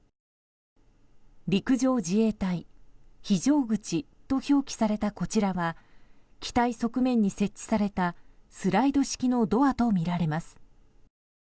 陸上自衛隊、非常口と表記されたこちらは機体側面に設置されたスライド式のドアとみられます。